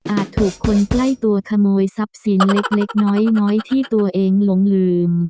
ถูกคนใกล้ตัวขโมยทรัพย์สินเล็กน้อยที่ตัวเองหลงลืม